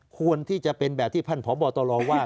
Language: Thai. ควรที่จะเป็นแบบที่พันธ์พ่อบ่อตลอว่า